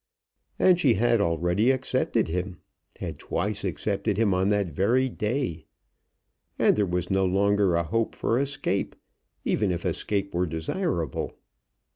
And she had already accepted him, had twice accepted him on that very day! And there was no longer a hope for escape, even if escape were desirable.